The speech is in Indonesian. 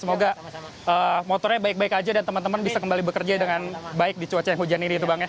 semoga motornya baik baik aja dan teman teman bisa kembali bekerja dengan baik di cuaca yang hujan ini itu bang ya